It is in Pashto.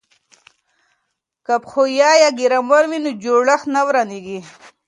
که پښویه یا ګرامر وي نو جوړښت نه ورانیږي.